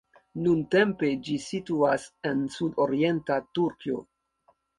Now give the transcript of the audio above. Nuntempe ĝi situas en sudorienta Turkio.